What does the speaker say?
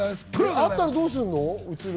あったらどうするの？